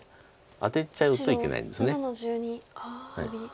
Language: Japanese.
アテちゃうといけないんです。